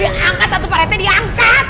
diangkat satu pak rete diangkat